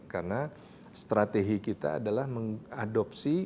karena strategi kita adalah mengadopsi